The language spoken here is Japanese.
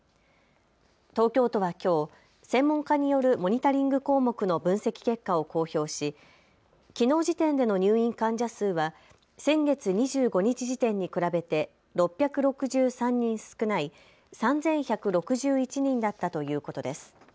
東京都はきょう、専門家によるモニタリング項目の分析結果を公表しきのう時点での入院患者数は先月２５日時点に比べて６６３人少ない３１６１人だったということです。